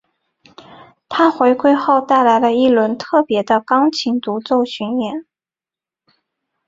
她回归后带来了一轮特别的钢琴独奏巡演。